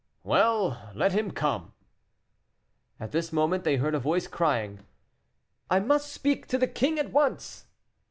"Well, let him come." At this moment they heard a voice crying, "I must speak to the king at once!"